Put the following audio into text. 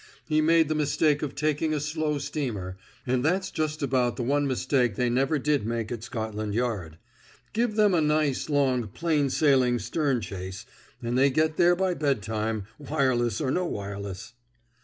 He made the mistake of taking a slow steamer, and that's just about the one mistake they never did make at Scotland Yard. Give them a nice, long, plain sailing stern chase and they get there by bedtime wireless or no wireless!"